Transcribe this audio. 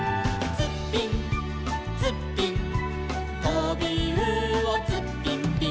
「ツッピンツッピン」「とびうおツッピンピン」